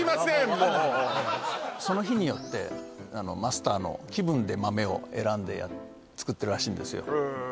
もうその日によってマスターの気分で豆を選んで作ってるらしいんですよへ